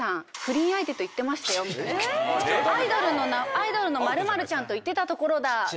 「アイドルの○○ちゃんと行ってた所だ」とか。